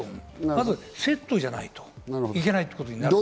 まずセットじゃないといけないということになる。